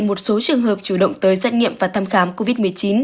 một số trường hợp chủ động tới xét nghiệm và thăm khám covid một mươi chín